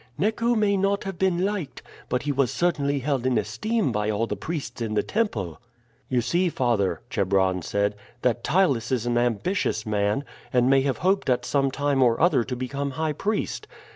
Neco may not have been liked, but he was certainly held in esteem by all the priests in the temple." "You see, father," Chebron said, "that Ptylus is an ambitious man, and may have hoped at some time or other to become high priest.